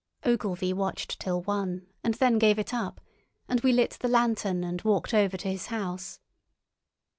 Ogilvy watched till one, and then gave it up; and we lit the lantern and walked over to his house.